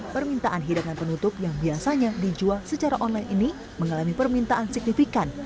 permintaan hidangan penutup yang biasanya dijual secara online ini mengalami permintaan signifikan